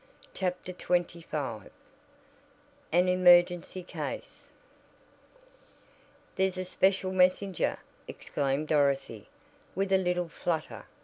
CHAPTER XXV AN EMERGENCY CASE "There's a special messenger," exclaimed Dorothy, with a little flutter.